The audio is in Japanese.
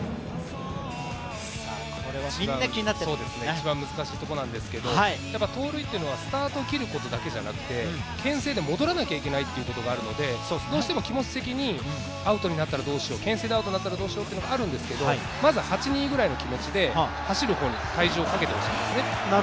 一番難しいところなんですけれども、盗塁というのはスタートを切ることだけじゃなくてけん制で戻らなきゃいけないということがあるので、どうしても気持ち的にアウトになったらどうしよう、けん制でアウトになったらどうしようというのがあるんですけどまず８・２ぐらいの気持ちで走る方に気持ちをかけてほしいんですね。